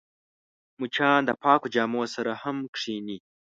مچان د پاکو جامو سره هم کښېني